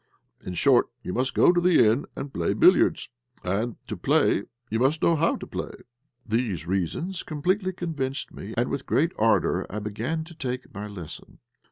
In short, you must go to the inn and play billiards, and to play you must know how to play." These reasons completely convinced me, and with great ardour I began taking my lesson.